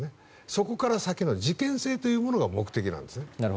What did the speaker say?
そこから先の事件性というものが目的なんですね。